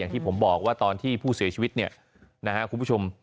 ที่ผมบอกว่าตอนที่ผู้เสียชีวิตเนี่ยนะครับคุณผู้ชม